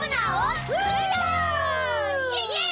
イエイイエイ！